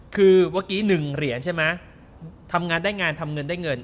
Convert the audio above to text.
คือเมื่อกี้๑เหรียญใช่ไหมทำงานได้งานทำเงินได้เงิน